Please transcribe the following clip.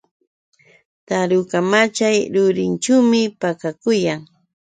Taruka machay rurinćhuumi pakakuyan.